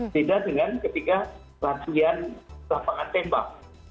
beda dengan ketika latihan lapangan tembak